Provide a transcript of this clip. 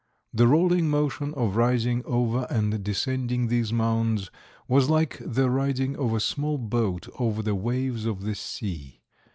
The rolling motion of rising over and descending these mounds was like the riding of a small boat over the waves of the sea.